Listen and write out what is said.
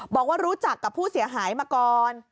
บอกว่ารู้จักกับผู้เสียหายมาก่อน